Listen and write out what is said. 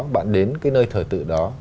bạn đến cái nơi thờ tự đó